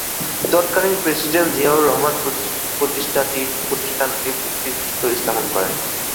তৎকালীন প্রেসিডেন্ট জিয়াউর রহমান প্রতিষ্ঠানটির ভিত্তিপ্রস্তর স্থাপন করেন।